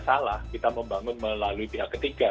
salah kita membangun melalui pihak ketiga